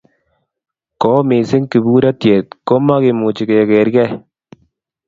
Ko oo missing kiburetiet, komakimuchi keger kei.